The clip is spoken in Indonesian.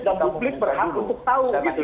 dan publik berhak untuk tahu